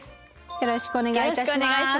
よろしくお願いします。